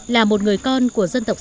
là một người con của dân tộc sài